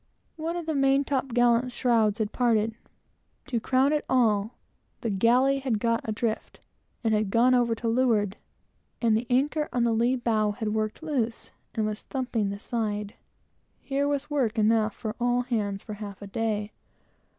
One of the main top gallant shrouds had parted; and, to crown all, the galley had got adrift, and gone over to leeward, and the anchor on the lee bow had worked loose, and was thumping the side. Here was work enough for all hands for half a day.